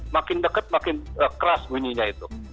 makin deket makin keras bunyinya itu